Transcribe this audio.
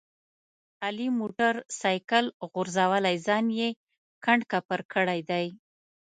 علي موټر سایکل غورځولی ځان یې کنډ کپر کړی دی.